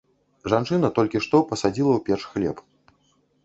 Жанчына толькі што пасадзіла ў печ хлеб.